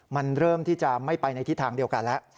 มันเริ่มที่จะไม่ไปในทิศทางเดียวกันแล้ว